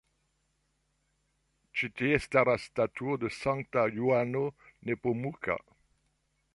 Ĉi tie staras statuo de Sankta Johano Nepomuka.